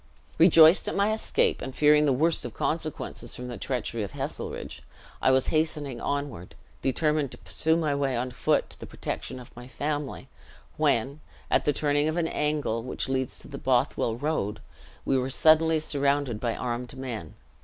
"Rejoiced at my escape, and fearing the worst of consequences from the treachery of Heselrigge, I was hastening onward, determined to pursue my way on foot to the protection of my family, when, at the turning of an angle which leads to the Bothwell road, we were suddenly surrounded by armed men.